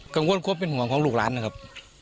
กังวลความเป็นห่วงของลูกร้านนะครับ